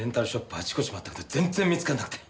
あちこち回ったけど全然見つからなくて。